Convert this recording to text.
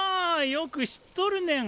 よく知っとるねん！